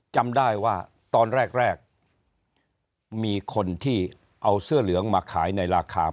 จำได้ว่าตอนแรกมีคนที่เอาเสื้อเหลืองมาขายในราคา